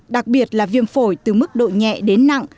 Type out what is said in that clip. đặc biệt là viêm phổi từ mức độ nhẹ đến nặng